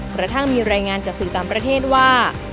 กระทั่งมีรายงานจากสื่อต่างประเทศว่า